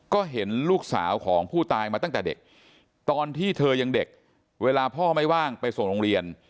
ก็เห็นลูกสาวของผู้ตายมาตั้งแต่เด็กตอนที่เธอยังเด็กเวลาพ่อไม่ว่างไปส่งโรงเรียน